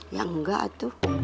ya enggak tuh